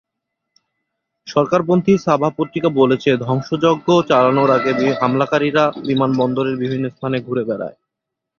সরকারপন্থী Sabah পত্রিকা বলেছে, ধ্বংসযজ্ঞ চালানোর আগে হামলাকারীরা বিমানবন্দরের বিভিন্ন স্থানে ঘুরে বেড়ায়।